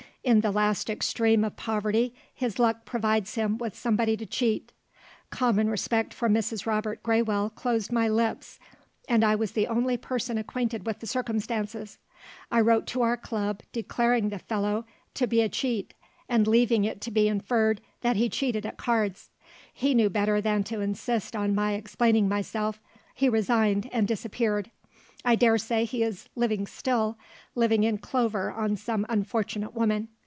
In the last extreme of poverty his luck provides him with somebody to cheat. Common respect for Mrs. Robert Graywell closed my lips; and I was the only person acquainted with the circumstances. I wrote to our club declaring the fellow to be a cheat and leaving it to be inferred that he cheated at cards. He knew better than to insist on my explaining myself he resigned, and disappeared. I dare say he is living still living in clover on some unfortunate woman.